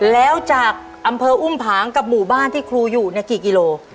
แล้วจากอำเภออุ้มผางกับหมู่บ้านที่ครูอยู่กี่กิโล